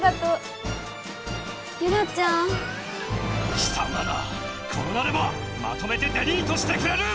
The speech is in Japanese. きさまらこうなればまとめてデリートしてくれる！